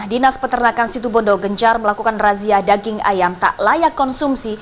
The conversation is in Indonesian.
dinas peternakan situbondo gencar melakukan razia daging ayam tak layak konsumsi